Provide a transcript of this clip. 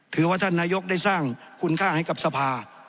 ถือว่าท่านนายกได้สร้างคุณค่าให้กับสภา